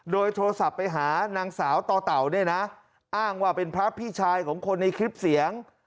โดยโทรศัพท์ไปหานางสาวต่อเต่าเนี่ยนะอ้างว่าเป็นพระพี่ชายของคนในคลิปเสียง